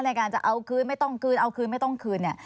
ในการจะเอาคืนไม่ต้องคืนเอาคืนไม่ต้องคืนเนี่ย